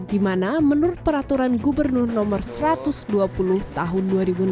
di mana menurut peraturan gubernur no satu ratus dua puluh tahun dua ribu enam belas